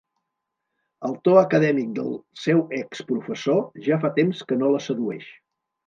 El to acadèmic del seu exprofessor ja fa temps que no la sedueix.